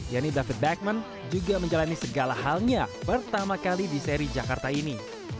yanni david backman juga menjalani segala halnya pertama kali di seri jakarta ini